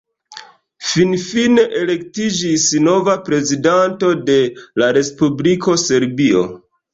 Finfine elektiĝis nova prezidanto de la respubliko Serbio.